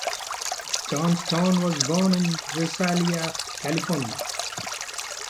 Johnston was born in Visalia, California.